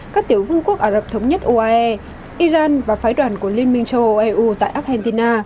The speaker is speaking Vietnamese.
các tiểu vương quốc ả rập thống nhất uae iran và phái đoàn của liên minh châu âu eu tại argentina